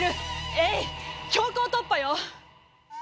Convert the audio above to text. ええい強行突破よ！